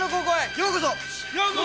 ようこそ！